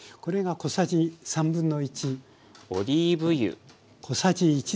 オリーブ油。